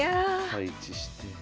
配置して。